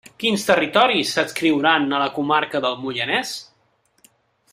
Quins territoris s'adscriuran a la comarca del Moianès?